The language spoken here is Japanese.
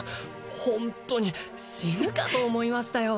ホントに死ぬかと思いましたよ